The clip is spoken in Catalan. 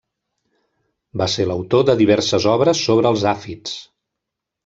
Va ser l'autor de diverses obres sobre els àfids.